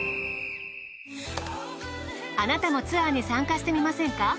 あなたもツアーに参加してみませんか。